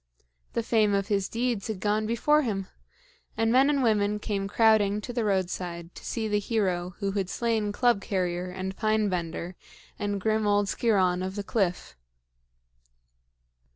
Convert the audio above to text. The fame of his deeds had gone before him, and men and women came crowding to the roadside to see the hero who had slain Club carrier and Pine bender and grim old Sciron of the cliff.